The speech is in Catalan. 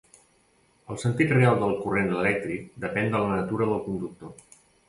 El sentit real del corrent elèctric depèn de la natura del conductor.